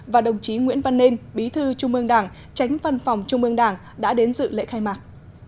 và đồng chí nguyễn văn nên bí thư trung ương đảng tránh văn phòng trung ương đảng đã đến dự lễ khai mạc